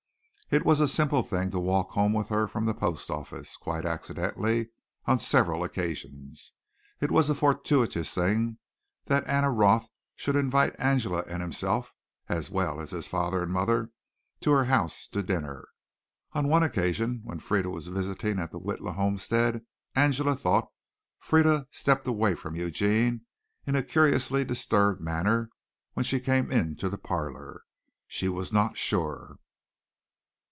It was a simple thing to walk home with her from the post office quite accidentally on several occasions. It was a fortuitous thing that Anna Roth should invite Angela and himself, as well as his father and mother, to her house to dinner. On one occasion when Frieda was visiting at the Witla homestead, Angela thought Frieda stepped away from Eugene in a curiously disturbed manner when she came into the parlor. She was not sure.